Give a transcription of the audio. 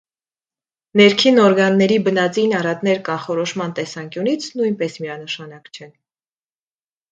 Ներքին օրգանների բնածին արատներ կանխորոշման տեսանկյունից նույնպես միանշանակ չեն։